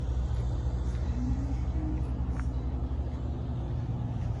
S talmanit kan i d-yemmeslay.